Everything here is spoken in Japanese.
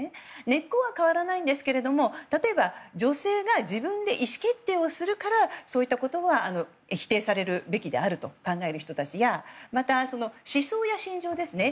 根っこは変わらないんですけれども例えば、女性が自分で意思決定をするからそういったことは否定されるべきであると考える人たちやまた思想や信条ですね。